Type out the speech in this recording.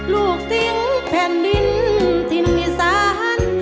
ลูกทิ้งแผ่นดินทิ้งนิสาน